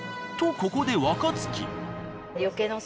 とここで若槻。